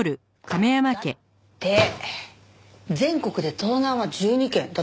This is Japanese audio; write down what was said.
だって全国で盗難は１２件だったよね？